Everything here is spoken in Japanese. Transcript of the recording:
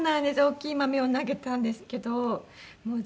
大きい豆を投げたんですけどもう